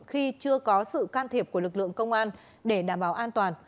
khi chưa có sự can thiệp của lực lượng công an để đảm bảo an toàn